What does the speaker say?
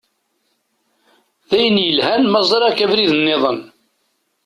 D ayen yelhan ma ẓṛiɣ-k abrid-nniḍen.